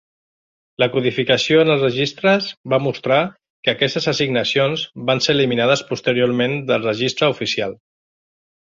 La codificació en els registres va mostrar que aquestes assignacions van ser eliminades posteriorment del registre oficial.